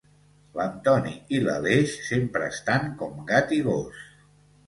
L'Antoni i l'Aleix sempre estan com gat i gos